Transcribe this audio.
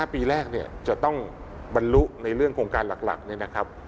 ปีแรกเนี่ยจะต้องบรรลุในเรื่องโครงการหลักเนี่ยนะครับ